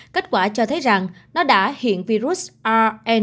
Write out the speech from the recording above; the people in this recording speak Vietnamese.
kết quả cho thấy rằng nó đã hiện virus on